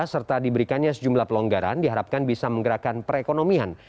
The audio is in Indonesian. serta diberikannya sejumlah pelonggaran diharapkan bisa menggerakkan perekonomian